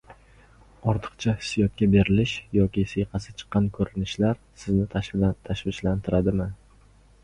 Ortiqcha hissiyotga berilish yoki siyqasi chiqqan ko‘rinishlar Sizni tashvishlantiradimi?